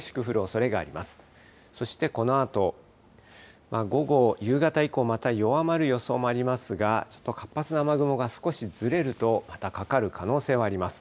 そしてこのあと、午後、夕方以降、また弱まる予想もありますが、活発な雨雲が少しずれると、またかかる可能性はあります。